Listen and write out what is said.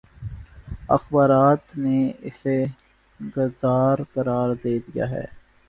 اخبارات نے اسے غدارقرار دے دیاہے